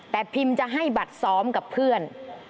แต่พิมพ์จะให้บัตรซ้อมกับเพื่อน